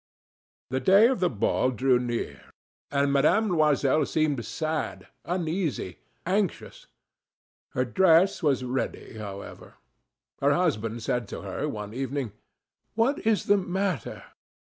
The day of the ball drew near, and Mme. Loisel seemed sad, uneasy, anxious. Her dress was ready, however. Her husband said to her one evening: "What is the matter?